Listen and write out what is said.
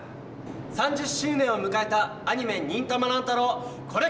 ３０周年を迎えたアニメ「忍たま乱太郎」。